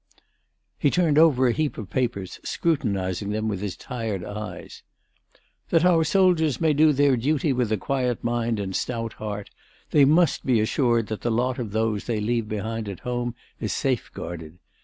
_" He turned over a heap of papers, scrutinizing them with his tired eyes: "That our soldiers may do their duty with a quiet mind and stout heart, they must be assured that the lot of those they leave behind at home is safeguarded.